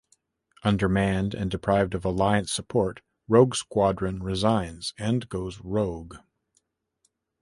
Undermanned and deprived of Alliance support, Rogue Squadron resigns and goes rogue.